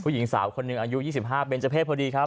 ผู้หญิงสาวคนหนึ่งอายุยี่สิบห้าเบนเจอร์เพศพอดีครับ